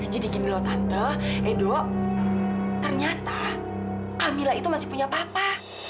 jadi gini loh tante eh do ternyata kamila itu masih punya papa